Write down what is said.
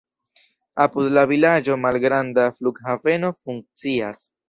Apud la vilaĝo malgranda flughaveno funkcias.